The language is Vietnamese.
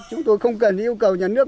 chúng tôi không cần yêu cầu nhà nước